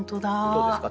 どうですか？